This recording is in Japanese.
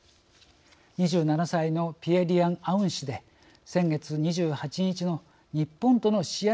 ２７歳のピエ・リアン・アウン氏で先月２８日の日本との試合